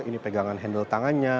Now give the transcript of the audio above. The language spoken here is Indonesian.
ini pegangan handle tangannya